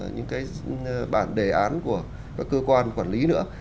những cái bản đề án của các cơ quan quản lý nữa